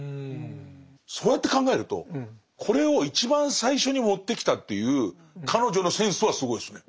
そうやって考えるとこれを一番最初に持ってきたという彼女のセンスはすごいですね。